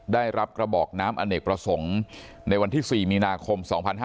ได้รับกระบอกน้ำอเนกประสงค์ในวันที่๔มีนาคม๒๕๕๙